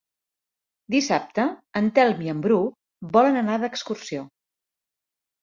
Dissabte en Telm i en Bru volen anar d'excursió.